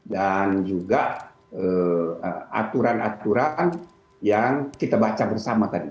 dan juga aturan aturan yang kita baca bersama kan